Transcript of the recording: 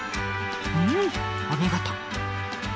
うんお見事！